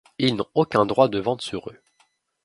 Ils n'ont aucun droit de vente sur eux.